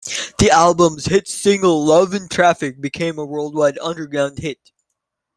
The album's hit single 'Love In Traffic' became a worldwide underground hit.